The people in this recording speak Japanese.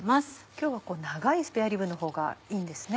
今日は長いスペアリブのほうがいいんですね？